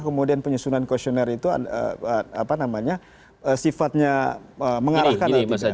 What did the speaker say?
kemudian penyusunan questionnaire itu apa namanya sifatnya mengarahkan